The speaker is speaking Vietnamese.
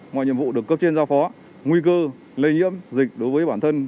ngoài nhiệm vụ được cấp trên giao phó nguy cơ lây nhiễm dịch đối với bản thân